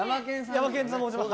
ヤマケンと申します。